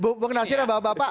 bu bang nasir bapak bapak